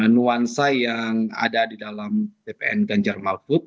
nuansa yang ada di dalam bpn ganjar mahfud